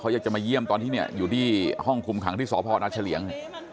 อยากจะมาเยี่ยมตอนที่เนี่ยอยู่ที่ห้องคุมขังที่สพนเฉลี่ยง